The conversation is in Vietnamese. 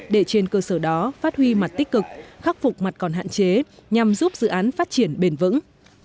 để trên cơ sở đó phát huy mặt tích cực khắc phục mặt còn hạn chế nhằm giúp dự án phát triển bền vững